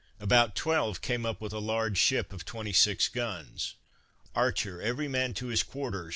About twelve came up with a large ship of twenty six guns. "Archer, every man to his quarters!